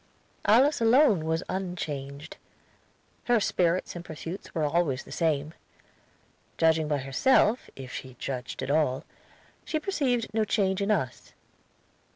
Alice alone was unchanged; her spirits and pursuits were always the same. Judging by herself, if she judged at all, she perceived no change in us.